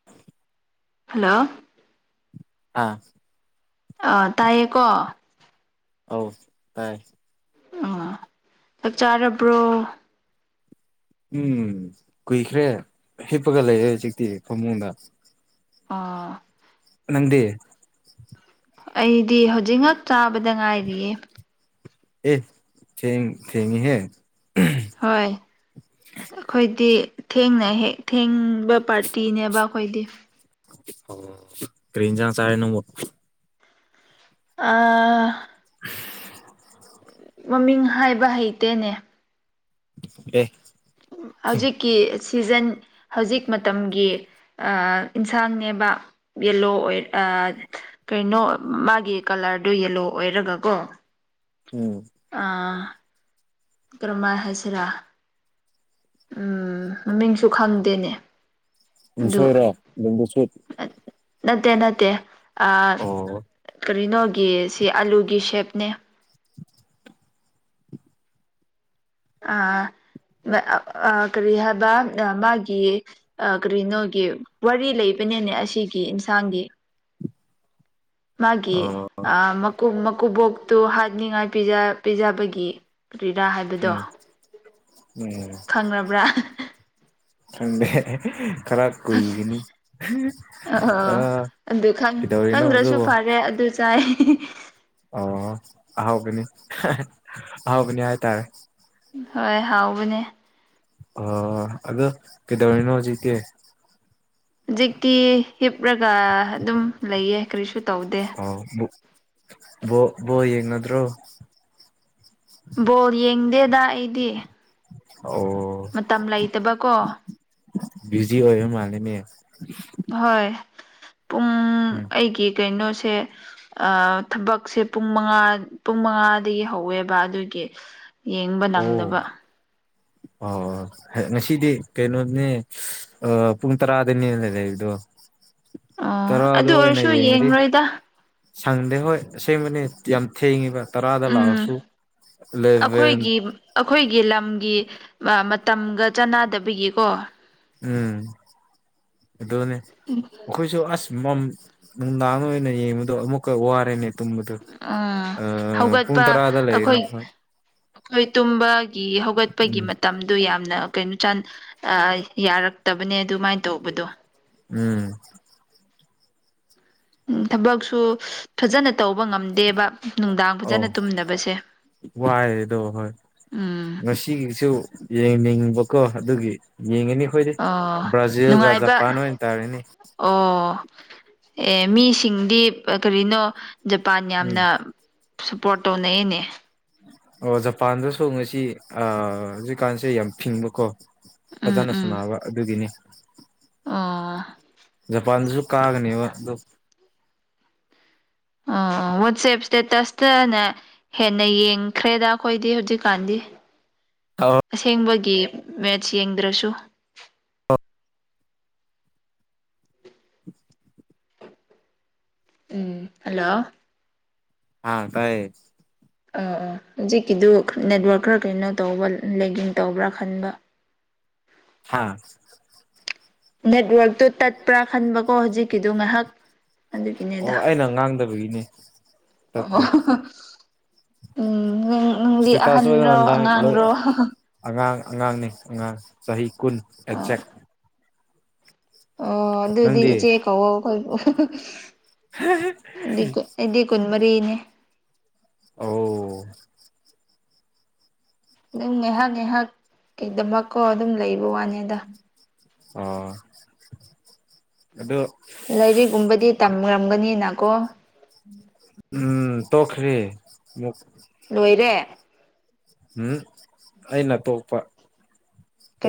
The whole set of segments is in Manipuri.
[inaudible] ꯍꯜꯂꯣ ꯑꯥ ꯑꯥ ꯇꯥꯏꯌꯦꯀꯣ ꯑꯧ ꯇꯥꯏ ꯑꯥ ꯆꯥꯛ ꯆꯥꯔꯕ꯭ꯔꯣ ꯎꯝ ꯀꯨꯏꯈ꯭ꯔꯦ ꯍꯤꯞꯄꯒ ꯂꯩꯔꯦ ꯍꯖꯤꯛꯇꯤ ꯐꯃꯨꯡꯗ ꯑꯥ ꯅꯪꯗꯤ ꯑꯩꯗꯤ ꯍꯧꯖꯤꯛ ꯉꯛ ꯆꯥꯕꯗ ꯉꯥꯏꯔꯤꯌꯦ ꯑꯦ ꯊꯦꯡ ꯊꯦꯡꯉꯤꯍꯦ ꯍꯣꯏ ꯑꯈꯣꯏꯗꯤ ꯊꯦꯡꯅ ꯍꯦꯛ ꯊꯦꯡꯕ ꯄꯥꯔꯇꯤꯅꯦꯕ ꯑꯈꯣꯏꯗꯤ ꯑꯣ ꯀꯔꯤ ꯏꯟꯖꯥꯡ ꯆꯥꯔꯦ ꯅꯪꯕꯨ ꯑꯥ ꯃꯃꯤꯡ ꯍꯥꯏꯕ ꯍꯩꯇꯦꯅꯦ ꯑꯦ ꯍꯧꯖꯤꯛꯀꯤ ꯁꯤꯖꯟ ꯍꯧꯖꯤꯛ ꯃꯇꯝꯒꯤ ꯑꯥ ꯏꯟꯁꯥꯡꯅꯦꯕ ꯌꯦꯜꯂꯣ ꯑꯣꯏ ꯑꯥ ꯀꯩꯅꯣ ꯃꯥꯒꯤ ꯀꯂꯔꯗꯣ ꯌꯦꯜꯂꯣ ꯑꯣꯏꯔꯒ ꯀꯣ ꯎꯝ ꯑꯥ ꯀꯔꯝꯃꯥꯏ ꯍꯥꯏꯁꯤꯔꯥ ꯎꯝ ꯃꯃꯤꯡꯁꯨ ꯈꯪꯗꯦꯅꯦ ꯑꯗꯨ ꯎꯟꯁꯣꯏꯔꯣ ꯕꯦꯝꯕꯨ ꯁꯨꯠ ꯅꯠꯇꯦ ꯅꯠꯇꯦ ꯑꯥ ꯑꯣ ꯀꯔꯤꯅꯣꯒꯤ ꯁꯤ ꯑꯂꯨꯒꯤ ꯁꯦꯞꯅꯦ ꯑꯥ ꯑꯥ ꯀꯔꯤ ꯍꯥꯏꯕ ꯃꯥꯒꯤ ꯑꯥ ꯀꯔꯤꯅꯣꯒꯤ ꯋꯥꯔꯤ ꯂꯩꯕꯅꯤꯅꯦ ꯑꯁꯤꯒꯤ ꯏꯟꯁꯥꯡꯒꯤ ꯃꯥꯒꯤ ꯑꯣ ꯑꯥ ꯃꯀꯨꯞ ꯃꯀꯨꯕꯣꯛꯇꯨ ꯍꯥꯠꯅꯤꯉꯥꯏ ꯄꯤꯖꯥ ꯄꯤꯖꯕꯒꯤ ꯀ꯭ꯔꯤꯔꯥ ꯍꯥꯏꯕꯗꯣ ꯎꯝ ꯎꯝ ꯈꯪꯕ꯭ꯔꯥ ꯈꯪꯗꯦ ꯈꯔ ꯈꯪ ꯀꯨꯏꯒꯅꯤ ꯑꯥ ꯑꯣ ꯑ ꯑꯗꯨ ꯈꯪ ꯀꯩꯗꯧꯔꯤꯅꯣ ꯈꯪꯗ꯭ꯔꯁꯨ ꯑꯗꯨꯕꯨ ꯐꯔꯦ ꯑꯗꯨ ꯆꯥꯏ ꯑꯣ ꯑꯍꯥꯎꯒꯅꯤ ꯑꯍꯥꯎꯒꯅꯤ ꯍꯥꯏꯇꯥꯔꯦ ꯍꯣꯏ ꯍꯥꯎꯕꯅꯦ ꯑꯣ ꯑꯗꯣ ꯀꯩꯗꯧꯔꯤꯅꯣ ꯍꯨꯖꯤꯛꯇꯤ ꯍꯨꯖꯤꯛꯇꯤ ꯍꯤꯞꯔꯒ ꯑꯗꯨꯝ ꯂꯩꯌꯦ ꯀꯔꯤꯁꯨ ꯇꯧꯗꯦ ꯑꯥꯎ ꯅꯨꯞ ꯕ‌ꯣ ꯕ‌ꯣꯜ ꯌꯦꯡꯅꯗ꯭ꯔꯣ ꯕꯣꯜ ꯌꯦꯡꯗꯦꯗꯥ ꯑꯩꯗꯤ ꯑꯣ ꯃꯇꯝ ꯂꯩꯇꯕꯀꯣ ꯕꯤꯖꯤ ꯑꯣꯏꯕ ꯃꯥꯜꯂꯤꯅꯦ ꯍꯣꯏ ꯄꯨꯡ ꯎꯝ ꯑꯩꯒꯤ ꯀꯩꯅꯣꯁꯦ ꯑ ꯊꯕꯛꯁꯦ ꯄꯨꯡ ꯃꯉꯥ ꯄꯨꯡ ꯃꯉꯥꯗꯒꯤ ꯍꯧꯋꯦꯕ ꯑꯗꯨꯒꯤ ꯌꯦꯡꯕ ꯅꯪꯗꯕ ꯑꯣ ꯑꯣ ꯉꯁꯤꯗꯤ ꯀꯩꯅꯣꯅꯦ ꯑꯥ ꯄꯨꯡ ꯇꯔꯥꯗꯩꯅꯦꯅ‌ꯦ ꯂꯩꯕꯗꯣ ꯑꯣ ꯇꯔꯥ ꯑꯗꯨ ꯗ‌ꯣ ꯑꯣꯏꯅ ꯑꯣꯏꯔꯁꯨ ꯌꯦꯡꯉꯗꯤ ꯌꯦꯡꯔꯣꯏꯗ ꯁꯪꯗꯦ ꯍꯣꯏ ꯑꯁꯦꯡꯕꯅꯦ ꯌꯥꯝ ꯊꯦꯡꯉꯤꯕ ꯇꯔꯥꯗ ꯎꯝ ꯂꯥꯛꯑꯁꯨ ꯏꯂꯥꯚꯦꯟ ꯑꯈꯣꯏꯒꯤ ꯂꯝꯒꯤ ꯑ ꯃꯇꯝꯒ ꯆꯥꯟꯅꯗꯕꯒꯤꯀꯣ ꯎꯝ ꯑꯗꯨꯅꯤ ꯎꯝ ꯑꯩꯈꯣꯏꯁꯨ ꯑꯁ ꯃꯝ ꯅꯨꯡꯗꯥꯡ ꯑꯣꯏꯅ ꯌꯦꯡꯕꯗꯣ ꯑꯃꯨꯛꯀ ꯋꯥꯔ‌ꯦꯅ‌ꯦ ꯇꯨꯝꯕꯗꯨ ꯎꯝ ꯑ ꯄꯨꯡ ꯇꯔꯥꯗ ꯂꯩꯕꯅ‌ꯦ ꯍ‌ꯣꯏ ꯍꯣꯏ ꯇꯨꯝꯕꯒꯤ ꯍꯧꯒꯠꯄꯒꯤ ꯎꯝ ꯃ ꯇꯝꯗꯣ ꯌꯥꯝꯅ ꯀꯩꯅꯣ ꯆ ꯑꯥ ꯌꯥꯔꯛꯇꯕꯅꯦ ꯑꯗꯨꯃꯥꯏ ꯇꯧꯕꯗꯣ ꯎꯝ ꯎꯝ ꯊꯕꯛꯁꯨ ꯐꯖꯅ ꯇꯧꯕ ꯉꯝꯗꯦꯕꯥ ꯅꯨꯡꯗꯥꯡ ꯑꯧ ꯐꯖꯅ ꯇꯨꯝꯗꯕꯁꯦ ꯎꯝ ꯁꯤꯒꯤꯁꯨ ꯌꯦꯡꯅꯤꯡꯕꯀꯣ ꯑꯗꯨꯒꯤ ꯌꯦꯡꯉꯤꯅꯤ ꯑꯩꯈꯣꯏꯗꯤ ꯑꯣ ꯕ꯭ꯔꯥꯖꯤꯜꯒ ꯅꯨꯡꯉꯥꯏꯕ ꯖꯄꯥꯟ ꯑꯣꯏꯅ ꯇꯥꯔꯤꯅꯤ ꯑꯣ ꯑꯦ ꯃꯤꯁꯤꯡꯗꯤ ꯀꯔꯤꯅꯣ ꯖꯄꯥꯟ ꯎꯝ ꯌꯥꯝꯅ ꯁꯞꯄꯣꯔ꯭ꯠ ꯇꯧꯅꯩꯌ‌ꯦꯅꯦ ꯑꯣ ꯖꯄꯥꯟꯗꯨꯁꯨ ꯉꯁꯤ ꯑꯥ‌ ꯍꯧꯖꯤꯛꯀꯥꯟꯁꯦ ꯌꯥꯝ ꯐꯤꯡꯕꯀꯣ ꯎꯝ ꯐꯖꯅ ꯁꯅꯥꯕ ꯑꯗꯨꯒꯤꯅꯤ ꯑꯥ ꯖꯄꯥꯟꯁꯨ ꯀꯥꯒꯅꯦꯕ ꯑꯗꯣ ꯑꯥ ꯋꯥꯠꯆ‌ꯦꯞ ꯏꯁꯇꯦꯇꯁ ꯇꯅꯥ ꯍꯦꯟꯅ ꯌꯦꯡꯈ꯭ꯔꯦꯗ ꯑꯩꯈꯣꯏꯗꯤ ꯍꯧꯖꯤꯛꯀꯥꯟꯗꯤ ꯑꯁꯦꯡꯕꯒꯤ ꯃꯦꯠꯁ ꯌꯦꯡꯗ꯭ꯔꯁꯨ [inaudible] ꯎꯝ ꯍꯜꯂꯣ ꯑꯥꯡ ꯇꯥꯏꯌꯦ ꯑꯥ ꯑꯥ ꯍꯧꯖꯤꯛꯀꯤꯗꯨ ꯈ ꯅꯦꯠꯋꯥ꯭ꯔꯛ ꯈꯔ ꯀꯩꯅꯣ ꯇꯧꯕ ꯂ ꯂꯦꯡꯒꯤꯡ ꯇꯧꯕ꯭ꯔꯥ ꯈꯟꯕꯥ ꯍꯥꯥ ꯅꯦꯠꯋꯔ꯭ꯛꯇꯨ ꯇꯠꯄ꯭ꯔꯥ ꯈꯟꯕꯀꯣ ꯍꯧꯖꯤꯛꯀꯤꯗꯨ ꯉꯥꯍꯥꯛ ꯑꯗꯨꯒꯤꯅꯦꯗꯥ ꯑꯣ ꯑꯩꯅ ꯉꯥꯡꯗꯕꯒꯤꯅꯤ ꯑ‌ꯣ ꯇꯠꯇꯦ ꯎꯝ ꯅꯨꯡ ꯅꯨꯡꯗꯤ ꯏꯁꯇꯦꯇꯥꯁ ꯑꯥꯍꯟꯔꯣ ꯑꯣꯏꯅ ꯂꯣꯏ ꯑꯉꯥꯡꯔꯣ ꯑꯉꯥꯡ ꯑꯉꯥꯡꯅꯤ ꯑꯉꯥꯡ ꯆꯍꯤ ꯀꯨꯟ ꯑꯣ ꯑꯦꯛꯖꯦꯛ ꯑꯣ ꯑꯗꯨꯗꯤ ꯅꯪꯗꯤ ꯏꯆꯦ ꯀꯧꯋꯣ ꯑꯈ‌ꯣꯏꯕꯨ ꯗꯤꯀꯨꯠ ꯑꯩꯗꯤ ꯀꯨꯟꯃꯔꯤꯅꯦ ꯑꯣ ꯑꯗꯨꯝ ꯉꯥꯏꯍꯥꯛ ꯉꯥꯏꯍꯥꯛ ꯀꯩꯗꯃꯛꯀꯣ ꯑꯗꯨꯝ ꯂꯩꯕ ꯋꯥꯅꯤꯗ ꯑꯥ ꯑꯗꯣ ꯂꯥꯏꯔꯤꯛꯒꯨꯝꯕꯗꯤ ꯇꯝꯔꯝꯒꯅꯤꯅꯀꯣ ꯎꯝ ꯇꯣꯈ꯭ꯔꯤ ꯃꯨꯛ ꯂꯣꯏꯔꯦ ꯎꯝ ꯑꯩꯅ ꯇꯣꯛꯄ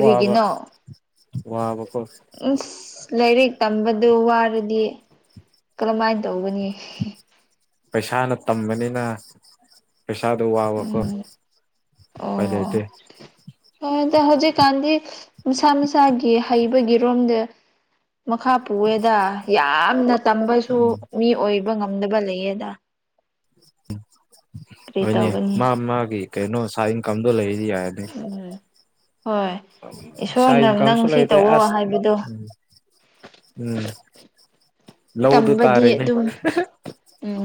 ꯋꯥꯕ ꯋꯥꯕꯀꯣ ꯏꯁ ꯂꯥꯏꯔꯤꯛ ꯇꯝꯕꯗꯨ ꯋꯥꯔꯗꯤ ꯀꯔꯃꯥꯏꯟ ꯇꯧꯕꯅꯤ ꯄꯩꯁꯥꯅ ꯇꯝꯕꯅꯤꯅ ꯄꯩꯁꯥꯗꯣ ꯋꯥꯕꯥꯀꯣ ꯎꯝ ꯎꯄꯥꯏ ꯂꯩꯇꯦ ꯑꯣꯗ ꯍꯧꯖꯤꯛꯀꯥꯟꯗꯤ ꯃꯁꯥ ꯃꯁꯥꯒꯤ ꯍꯩꯕꯒꯤꯔꯣꯝꯗ ꯃꯈꯥ ꯄꯨꯑꯦꯗ ꯌꯥꯝꯅ ꯇꯝꯕꯁꯨ ꯃꯤ ꯑꯣꯏꯕ ꯉꯝꯗꯕ ꯂꯩꯌꯦꯗ ꯎ ꯀꯔꯤ ꯍꯣꯏꯅꯦ ꯇꯧꯒꯅꯤ ꯃꯥ ꯃꯥꯒꯤ ꯀꯩꯅꯣ ꯁꯥ ꯏꯟꯀꯝꯗꯣ ꯂꯩꯗꯤ ꯌꯥꯏꯅꯦ ꯎꯝ ꯍꯣꯏ ꯁꯥꯏꯠ ꯏꯁꯣꯔꯅ ꯅꯪ ꯏꯟꯀꯝꯁꯨ ꯁꯤ ꯂꯩꯇꯦ ꯇꯧꯑꯣ ꯑꯁ ꯍꯥꯏꯕꯗꯣ ꯎꯝ ꯎꯝ ꯂꯧꯗ ꯇꯝꯕꯗꯤ ꯇꯥꯔꯦꯅꯦ ꯑꯗꯨꯝ ꯎꯝ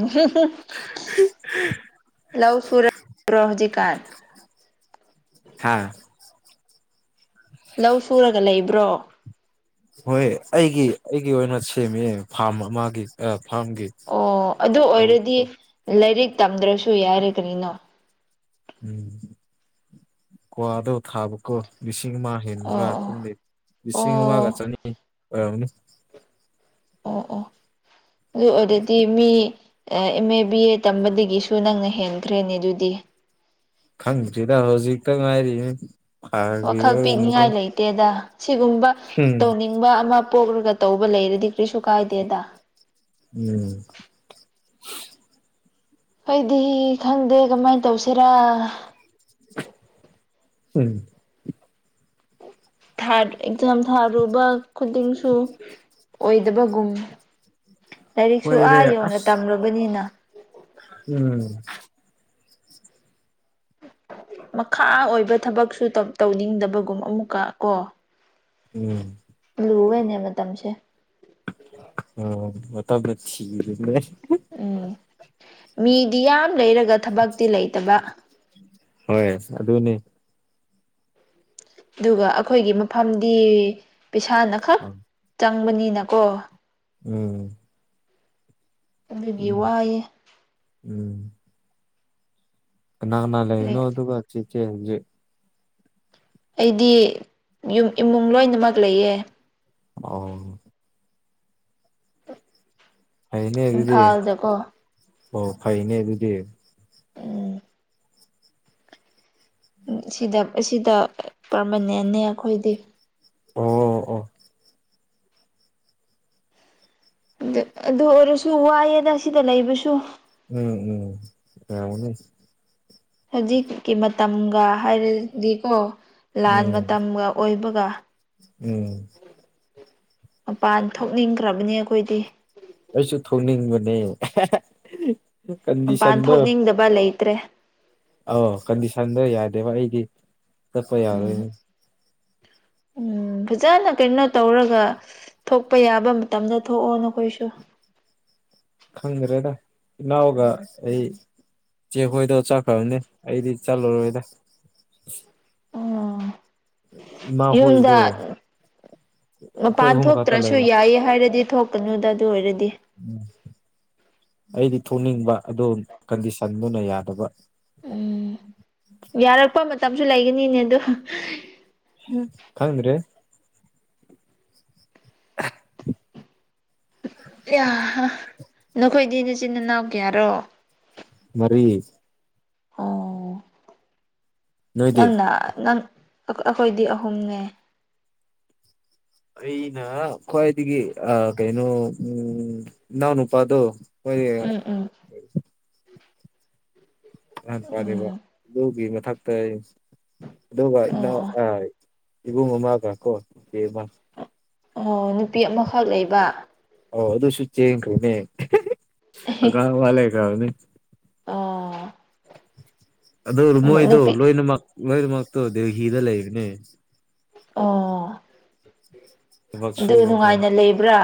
ꯂꯧ ꯁꯨꯔꯕ꯭ꯔꯣ ꯍꯧꯖꯤꯛꯀꯥꯟ ꯍꯥꯥ ꯂꯧ ꯁꯨꯔꯒ ꯂꯩꯕ꯭ꯔꯣ ꯍꯣꯏ ꯑꯩꯒꯤ ꯑꯩꯒꯤ ꯑꯣꯏꯅ ꯁꯦꯝꯃꯤꯌꯦ ꯐꯥꯝ ꯑꯃꯥꯒꯤ ꯑꯦ ꯐꯥꯝꯒꯤ ꯑꯣ ꯑꯗꯨ ꯑꯣꯏꯔꯗꯤ ꯂꯧꯗꯨꯀꯣ ꯂꯥꯏꯔꯤꯛ ꯇꯝꯗ꯭ꯔꯁꯨ ꯌꯥꯔꯦ ꯀꯔꯤꯅꯣ ꯎꯝ ꯀ꯭ꯋꯥꯗꯣ ꯊꯥꯕꯀꯣ ꯂꯤꯁꯤꯡ ꯑꯃ ꯍꯦꯟꯕ꯭ꯔꯥ ꯑꯣ ꯈꯪꯗꯦ ꯑꯣ ꯂꯤꯁꯤꯡ ꯑꯃꯒ ꯑꯣ ꯋꯥꯟꯅꯤ ꯑꯣꯏꯔꯝꯒꯅꯤ ꯑꯣ ꯑꯣ ꯑꯗꯨ ꯑꯣꯏꯗꯗꯤ ꯃꯤ ꯑꯦ ꯑꯦꯃꯦ ꯕꯤ ꯑꯦ ꯇꯝꯕꯗꯒꯤꯁꯨ ꯅꯪꯅ ꯍꯦꯟꯈ꯭ꯔꯦꯅꯦ ꯑꯗꯨꯗꯤ ꯈꯪꯗ꯭ꯔꯤꯗ ꯍꯧꯖꯤꯛꯇ ꯉꯥꯏꯔꯤꯅꯤ ꯐꯒꯤꯅꯨꯝꯕꯗ ꯗꯦꯗ ꯁꯤꯒꯨꯝꯕ ꯇꯧꯅꯤꯡꯕ ꯑꯃ ꯄꯣꯛꯔꯒ ꯇꯧꯕ ꯂꯩꯔꯗꯤ ꯀꯔꯤꯁꯨ ꯀꯥꯏꯗꯦꯗ ꯎꯝ ꯐꯩꯗꯤ ꯈꯪꯗꯦ ꯀꯃꯥꯏ ꯇꯧꯁꯤꯔꯥ ꯎꯝ ꯊꯥꯠ ꯑꯦꯛꯖꯥꯝ ꯊꯥꯔꯨꯕ ꯈꯨꯗꯤꯡꯁꯨ ꯑꯣꯏꯗꯕꯒꯨꯝ ꯂꯥꯏꯔꯤꯛꯁꯨ ꯑꯥ ꯍꯣꯏꯔꯦ ꯌꯧꯅ ꯑꯁ ꯇꯝꯔꯨꯕꯅꯤꯅ ꯎꯝ ꯃꯈꯥ ꯑꯣꯏꯕ ꯊꯕꯛꯁꯨ ꯇꯟ ꯇꯧꯅꯤꯡꯗꯕꯒꯨꯝ ꯑꯃꯨꯛꯀ ꯀꯣ ꯎꯝ ꯂꯨꯋꯦꯅꯦ ꯃꯇꯝꯁꯦ ꯑ ꯃꯇꯝꯅ ꯊꯤꯔꯤꯝꯃꯦ ꯎꯝ ꯃꯤꯗꯤ ꯌꯥꯝ ꯂꯩꯔꯒ ꯊꯕꯛꯇꯤ ꯂꯩꯇꯕ ꯍꯣꯏ ꯑꯗꯨꯅꯦ ꯑꯗꯨꯒ ꯑꯈꯣꯏꯒꯤ ꯃꯐꯝꯗꯤ ꯄꯩꯁꯥꯅ ꯈ ꯑꯥ ꯆꯪꯕꯅꯤꯅꯀꯣ ꯎꯝ ꯑꯗꯨꯒꯤ ꯎꯝ ꯋꯥꯏꯌꯦ ꯎꯝ ꯀꯅꯥ ꯀꯅꯥ ꯀꯔꯤ ꯂꯩꯔꯤꯅꯣ ꯑꯗꯨꯒ ꯆꯦꯆꯦ ꯍꯧꯖꯤꯛ ꯑꯩꯗꯤ ꯌꯨꯝ ꯏꯃꯨꯡ ꯂꯣꯏꯅꯃꯛ ꯂꯩꯌꯦ ꯑꯣ ꯐꯩꯅꯦ ꯑꯗꯨꯗꯤ ꯏꯝꯐꯥꯜꯗꯀꯣ ꯑꯣ ꯐꯩꯅꯦ ꯑꯗꯨꯗꯤ ꯎꯝ ꯁꯤꯗ ꯑꯁꯤꯗ ꯄꯔꯃꯅꯦꯟꯅꯦ ꯑꯩꯈꯣꯏꯗꯤ ꯑꯣ ꯑꯣ ꯑꯗꯨ ꯑꯗꯨ ꯑꯣꯏꯔꯁꯨ ꯋꯥꯏꯑꯦꯗ ꯁꯤꯗ ꯂꯩꯕꯁꯨ ꯎꯝ ꯎꯝ [unintelligible] ꯍꯧꯖꯤꯛꯀꯤ ꯃꯇꯝꯒ ꯍꯥꯏꯔꯗꯤꯀꯣ ꯂꯥꯟ ꯎꯝ ꯃꯇꯝꯒ ꯑꯣꯏꯕꯒ ꯎꯝ ꯃꯄꯥꯟ ꯊꯣꯛꯅꯤꯡꯈ꯭ꯔꯕꯅꯤ ꯑꯩꯈꯣꯏꯗꯤ ꯑꯩꯁꯨ ꯊꯣꯛꯅꯤꯡꯕꯅꯦ ꯃꯄꯥꯟ ꯀꯟꯗꯤꯁꯟꯗꯣ ꯊꯣꯛꯅꯤꯡꯗꯕ ꯂꯩꯇ꯭ꯔꯦ ꯑꯣ ꯀꯟꯗꯤꯁꯟꯗꯣ ꯌꯥꯗꯦꯕ ꯑꯩꯗꯤ ꯆꯠꯄ ꯎꯝ ꯌꯥꯔꯣꯏꯅꯦ ꯎꯝ ꯐꯖꯅ ꯀꯩꯅꯣ ꯇꯧꯔꯒ ꯊꯣꯛꯄ ꯌꯥꯕ ꯃꯇꯝꯗ ꯊꯣꯛꯑꯣ ꯅꯈꯣꯏꯁꯨ ꯈꯪꯗ꯭ꯔꯦꯗ ꯏꯅꯥꯎꯒ ꯑꯩ ꯏꯆꯦ ꯍꯣꯏꯗꯣ ꯆꯠꯈ꯭ꯔꯕꯅꯦ ꯑꯩꯗꯤ ꯆꯠꯂꯔꯣꯏꯗ ꯎꯝ ꯏꯃꯥ ꯌꯨꯝꯗ ꯍꯣꯏꯗꯣ ꯑꯩꯈꯣꯏ ꯃꯄꯥꯟ ꯑꯍꯨꯝ ꯈꯛꯇ ꯊꯣꯛꯇ꯭ꯔꯁꯨ ꯂꯩꯕ ꯌꯥꯏꯌꯦ ꯍꯥꯏꯔꯗꯤ ꯊꯣꯛ [unintelligible] ꯑꯗꯨ ꯑꯣꯏꯔꯗꯤ ꯎꯝ ꯑꯩꯗꯤ ꯊꯣꯛꯅꯤꯡꯕ ꯑꯗꯣ ꯀꯟꯗꯤꯁꯟꯗꯨꯅ ꯌꯥꯗꯕ ꯎꯝ ꯌꯥꯔꯛꯄ ꯃꯇꯝꯁꯨ ꯂꯩꯒꯅꯤꯅꯦ ꯑꯗꯣ ꯈꯪꯗ꯭ꯔꯦ [inaudible] ꯅꯈꯣꯏꯗꯤ ꯅꯆꯤꯟꯅꯅꯥꯎ ꯀꯌꯥꯔꯣ ꯃꯔꯤ ꯑꯣ ꯅꯣꯏꯗꯤ ꯅꯪꯅ ꯅꯪ ꯑꯩꯈꯣꯏꯗꯤ ꯑꯍꯨꯝꯅꯦ ꯑꯩꯅ ꯈ꯭ꯋꯥꯏꯗꯒꯤ ꯑꯥ ꯀꯩꯅꯣ ꯎꯝ ꯏꯅꯥꯎ ꯅꯨꯄꯥꯗꯣ ꯎꯝ ꯎꯝ ꯒ꯭ꯌꯥꯟ ꯇꯥꯗꯦꯕ ꯎꯝ ꯑꯗꯨꯒꯤ ꯃꯊꯛꯇ ꯑꯗꯨꯒ ꯑꯣ ꯏꯅꯥꯎ ꯑꯣ ꯑꯥꯏ ꯏꯕꯨꯡ ꯑꯃꯒꯀꯣ ꯆꯦꯆꯦ ꯑꯃ ꯑꯣ ꯅꯨꯄꯤ ꯑꯃꯈꯛ ꯂꯩꯕ ꯑꯣ ꯑꯗꯨꯁꯨꯨ ꯆꯦꯟꯈ꯭ꯔꯦꯅꯦ ꯑꯉꯥꯡ ꯑꯃ ꯂꯩꯈ꯭ꯔꯕꯅꯤ ꯑꯥ ꯑꯗꯨ ꯃꯣꯏꯗꯣ ꯂꯣꯏꯅꯃꯛ ꯂꯣꯏꯅꯃꯛꯇꯣ ꯗꯦꯜꯍꯤꯗ ꯂꯩꯕꯅꯦ ꯑꯣ ꯊꯕꯛ ꯑꯗꯨ ꯅꯨꯡꯉꯥꯏꯅ ꯂꯩꯕ꯭ꯔꯥ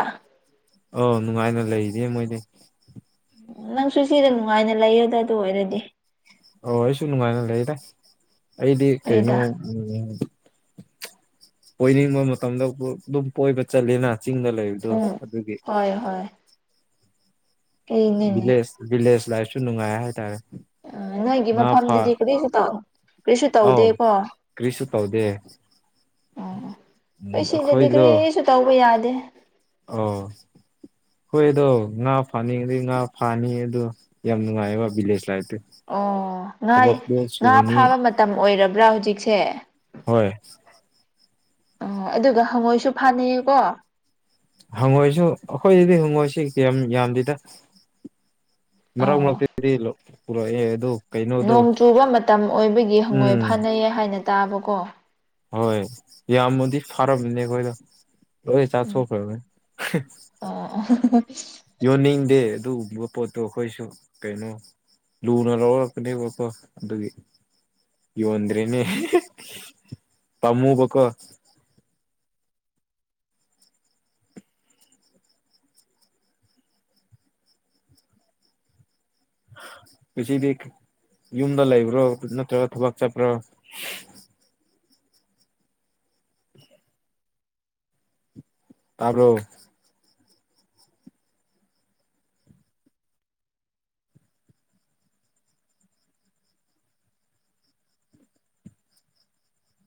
ꯑꯣ ꯅꯨꯡꯉꯥꯏꯅ ꯂꯩꯔꯦ ꯃꯣꯏꯗꯤ ꯅꯪꯁꯨ ꯁꯤꯗ ꯅꯨꯡꯉꯥꯏꯅ ꯂꯩꯌꯨꯗ ꯑꯗꯨ ꯑꯣꯏꯔꯗꯤ ꯑꯣ ꯑꯩꯁꯨ ꯅꯨꯡꯉꯥꯏꯅ ꯂꯩꯗ ꯑꯩꯗꯤ ꯀꯩꯅꯣ ꯍꯣꯏꯗ ꯎꯝ ꯀꯣꯏꯅꯤꯡꯕ ꯃꯇꯝꯗ ꯑꯗꯨꯝ ꯀꯣꯏꯕ ꯆꯠꯂꯦꯅ ꯆꯤꯡꯗ ꯂꯩꯕꯗꯣ ꯎꯝ ꯑꯗꯨꯒꯤ ꯍꯣꯏ ꯍꯣꯏ ꯑꯩꯅꯤꯅꯦ ꯚꯤꯂꯦꯁ ꯚꯤꯂꯦꯁ ꯂꯥꯏꯐꯁꯨ ꯅꯨꯡꯉꯥꯏ ꯍꯥꯏꯇꯥꯔꯦ ꯑ ꯅꯣꯏꯒꯤ ꯉꯥ ꯐꯥ ꯃꯐꯝꯗꯨꯗꯤ ꯀꯔꯤꯁꯨ ꯇꯧ ꯀꯔꯤꯁꯨ ꯑꯧ ꯇꯧꯗꯦꯀꯣ ꯑꯣ ꯀꯔꯤꯁꯨ ꯇꯧꯗꯦ ꯑꯡꯈꯣꯏ ꯁꯤꯗꯗꯤ ꯑꯩꯈꯣꯏꯗꯣ ꯀ꯭ꯔꯤꯁꯨ ꯇꯧꯕ ꯌꯥꯗꯦ ꯑꯣ ꯍꯣꯏ ꯑꯗꯣ ꯉꯥ ꯐꯥꯅꯤꯡꯉꯗꯤ ꯉꯥ ꯐꯥꯅꯤ ꯑꯗꯣ ꯌꯥꯝ ꯅꯨꯡꯉꯥꯏꯑꯕ ꯚꯤꯂꯦꯖ ꯂꯥꯏꯐꯇꯤ ꯑꯣ ꯉꯥꯏ ꯊꯕꯛꯇꯣ ꯉꯥ ꯁꯨꯒꯅꯤ ꯐꯥꯕ ꯃꯇꯝ ꯑꯣꯏꯔꯕ꯭ꯔꯥ ꯍꯧꯖꯤꯛꯁꯦ ꯍꯣꯏ ꯑꯣ ꯑꯗꯨꯒ ꯍꯪꯉꯣꯏꯁꯨ ꯐꯥꯅꯩꯌꯦꯀꯣ ꯍꯪꯉꯣꯏꯁꯨ ꯑꯩꯡꯈꯣꯏꯗꯗꯤ ꯍꯪꯉꯣꯏꯁꯦ ꯀꯌꯥꯝ ꯌꯥꯝꯗꯦꯗ ꯃꯔꯛ ꯑꯣ ꯃꯔꯛꯇꯗꯤ ꯂꯧ ꯄꯨꯔꯛꯑꯦ ꯑꯗꯨ ꯀꯩꯅꯣꯗꯣ ꯅꯣꯡ ꯆꯨꯕ ꯃꯇꯝ ꯑꯣꯏꯕꯒꯤ ꯍꯪꯉꯣꯏ ꯎꯝ ꯐꯅꯩꯌꯦ ꯍꯥꯏꯅ ꯇꯥꯕꯀꯣ ꯍꯣꯏ ꯌꯥꯝꯃꯗꯤ ꯐꯔꯝꯅꯤꯕ ꯑꯈꯣꯏꯗ ꯂꯣꯏ ꯎꯝ ꯆꯥꯊꯣꯛꯈ꯭ꯔꯥꯕꯅꯦ ꯑꯣ [unintelligible] ꯌꯣꯟꯅꯤꯡꯗꯦ ꯑꯗꯨꯒꯨꯝꯕ ꯄꯣꯠꯇꯣ ꯑꯈꯣꯏꯁꯨ ꯀꯩꯅꯣ ꯂꯨꯅꯥ ꯂꯧꯔꯛꯄꯥꯅꯦꯕꯀꯣ ꯑꯗꯨꯒꯤ ꯌꯣꯟꯗ꯭ꯔꯦꯅꯦ ꯄꯥꯝꯃꯨꯕꯥꯀꯣ ꯍꯨꯖꯤꯛꯗꯤꯛ ꯌꯨꯝꯗ ꯂꯩꯕ꯭ꯔꯣ ꯅꯠꯇ꯭ꯔꯥꯒ ꯊꯕꯛ ꯆꯠꯄ꯭ꯔꯣ ꯇꯥꯕ꯭ꯔꯣ